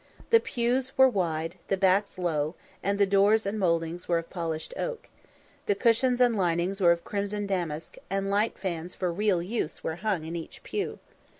The pews were wide, the backs low, and the doors and mouldings were of polished oak; the cushions and linings were of crimson damask, and light fans for real use were hung in each pew.